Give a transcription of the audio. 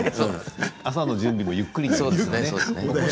朝の準備もゆっくりになりますね。